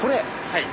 はい。